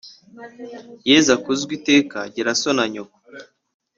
Yezakuzwe iteka gira so na nyoko.